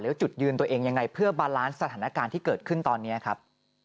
จุดยืนตัวเองยังไงเพื่อบาลานซ์สถานการณ์ที่เกิดขึ้นตอนนี้ครับ